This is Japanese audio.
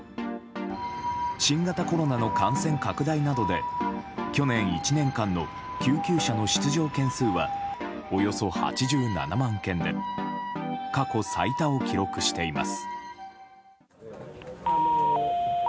新型コロナの感染拡大などで去年１年間の救急車の出動件数はおよそ８７万件で過去最多を記録しています。